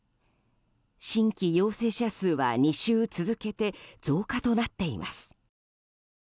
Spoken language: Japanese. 新規陽性者数は２週続けて増加となっています。